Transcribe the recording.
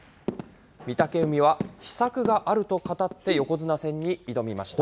御嶽海は秘策があると語って、横綱戦に挑みました。